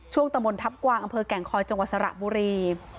ตะมนทัพกวางอำเภอแก่งคอยจังหวัดสระบุรี